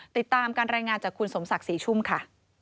ติดตามการรายงานจากคุณสมศักดิ์ศรีชุ่มค่ะ